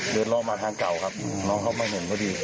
เดินล่อมาทางเก่าครับน้องเข้ามาเห็นก็ดี